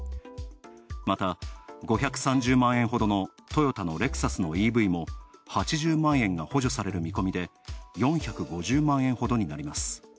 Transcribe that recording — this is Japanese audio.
また、５３０万円ほどのトヨタのレクサスのＥＶも８０万円が補助される見込みで、４５０万円ほどになります。